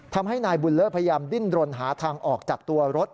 ทำให้นายบุญเลิศพยายามดิ้นรนหาทางออกจากตัวรถ